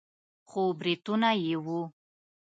خو برېتونه يې وو.